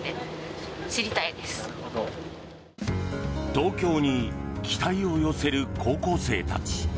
東京に期待を寄せる高校生たち。